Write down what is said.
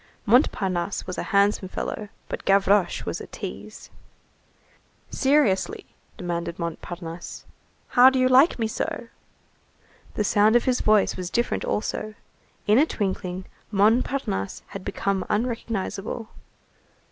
Montparnasse was a handsome fellow, but Gavroche was a tease. "Seriously," demanded Montparnasse, "how do you like me so?" The sound of his voice was different also. In a twinkling, Montparnasse had become unrecognizable.